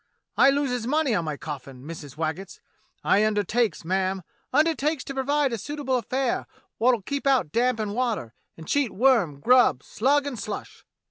I loses money on my coffins. Missus Waggetts. I under takes, ma'am, undertakes to provide a suitable affair wot'll keep out damp and water, and cheat worm, grub, slug, and slush."